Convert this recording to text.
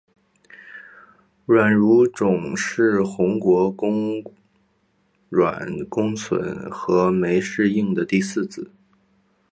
阮如琢是宏国公阮公笋和枚氏映的第四子。